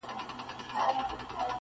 • انسانان به وي اخته په بدو چارو -